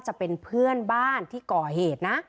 จะเป็นเพื่อนบ้านที่ก่อเหตุนะ